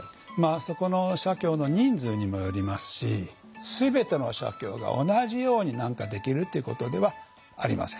そこの社協の人数にもよりますし全ての社協が同じように何かできるってことではありません。